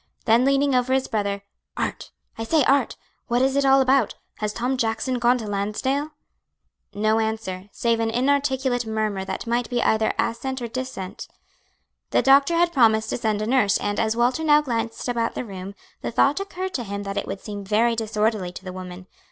Then leaning over his brother, "Art, I say, Art! what is it all about? Has Tom Jackson gone to Lansdale?" No answer, save an inarticulate murmur that might be either assent or dissent. The doctor had promised to send a nurse and, as Walter now glanced about the room, the thought occurred to him that it would seem very disorderly to the woman.